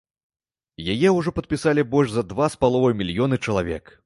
Яе ўжо падпісалі больш за два з паловай мільёны чалавек.